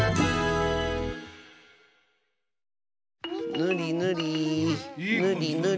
ぬりぬりぬりぬり。